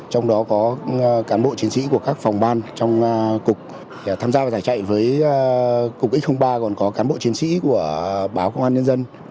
trong đó có cán bộ chiến sĩ của các phòng ban trong cục tham gia và giải chạy với cục x ba còn có cán bộ chiến sĩ của báo công an nhân dân